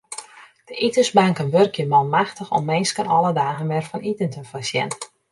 De itensbanken wurkje manmachtich om minsken alle dagen wer fan iten te foarsjen.